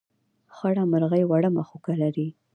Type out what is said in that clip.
خړه مرغۍ وړه مښوکه لري.